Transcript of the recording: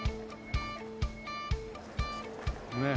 ねえ。